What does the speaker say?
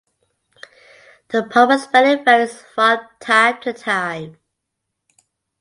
The proper spelling varies from time to time.